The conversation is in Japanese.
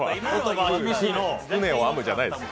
「船を編む」じゃないです。